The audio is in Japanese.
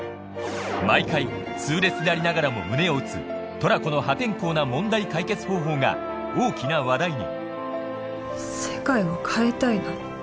毎回痛烈でありながらも胸を打つトラコの破天荒な問題解決方法が大きな話題に世界を変えたいの。